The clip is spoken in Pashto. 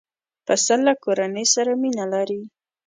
پسه له کورنۍ سره مینه لري.